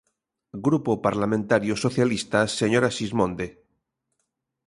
Grupo Parlamentario Socialista, señora Sismonde.